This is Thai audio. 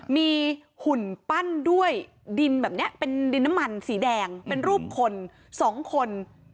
มีหุ่นปั้นด้วยดินแบบนี้เป็นดินน้ำมันสีแดงเป็นรูปคนสองคน